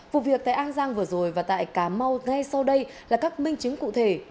vụ việc tại an giang vừa rồi và tại cà mau ngay sau đây là các minh chứng cụ thể